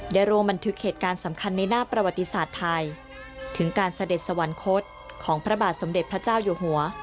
รวมบันทึกเหตุการณ์สำคัญในหน้าประวัติศาสตร์ไทยถึงการเสด็จสวรรคตของพระบาทสมเด็จพระเจ้าอยู่หัว